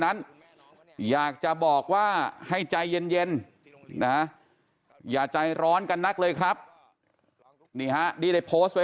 นั้นอยากจะบอกว่าให้ใจเย็นนะอย่าใจร้อนกันนักเลยครับนี่ฮะนี่ได้โพสต์ไว้